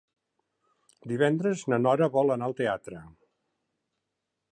Divendres na Nora vol anar al teatre.